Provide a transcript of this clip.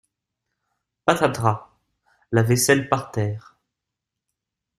Patatras ! La vaisselle par terre !